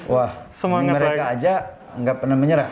wah mereka aja nggak pernah menyerah